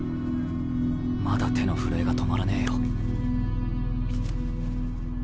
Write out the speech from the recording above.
まだ手の震えが止まらねえよ。